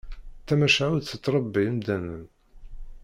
Tamacahut tettrebbi imdanen.